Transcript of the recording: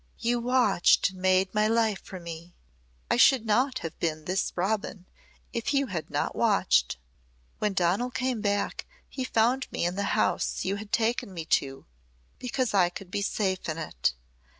"You watched and made my life for me. I should not have been this Robin if you had not watched. When Donal came back he found me in the house you had taken me to because I could be safe in it.